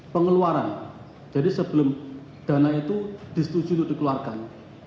pengeluaran jadi sebelum dana itu disetujui untuk dikeluarkan